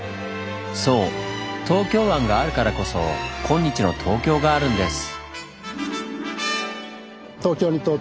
そう東京湾があるからこそ今日の東京があるんです。